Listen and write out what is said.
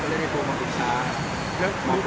ก็เลยโปรบคุณศาสตร์มาปรากับผม